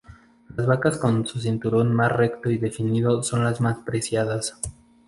Las vacas con su cinturón más recto y definido son las más preciadas.